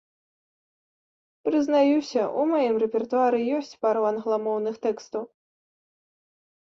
Прызнаюся, у маім рэпертуары ёсць пару англамоўных тэкстаў.